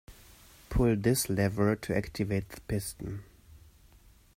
Pull this lever to activate the piston.